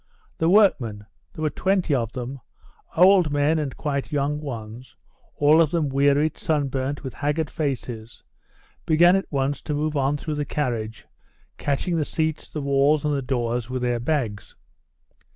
The workmen there were 20 of them, old men and quite young ones, all of them wearied, sunburnt, with haggard faces began at once to move on through the carriage, catching the seats, the walls, and the doors with their bags.